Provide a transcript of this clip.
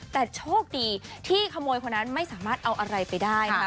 แต่โชคดีที่ขโมยคนนั้นไม่สามารถเอาอะไรไปได้นะคะ